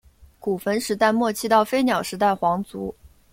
古坟时代末期到飞鸟时代皇族。